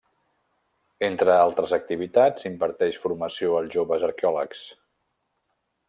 Entre altres activitats, imparteix formació als joves arqueòlegs.